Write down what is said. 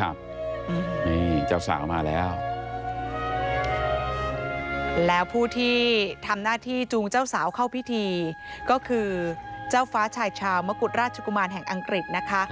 ครับนี่เจ้าสาวมาแล้วแล้วผู้ที่ทำหน้าที่จูงเจ้าสาวเข้าพิธีก็คือเจ้าฟ้าชายชาวมกุฎราชกุมารแห่งอังกฤษนะคะ